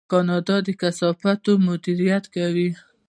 کاناډا د کثافاتو مدیریت کوي.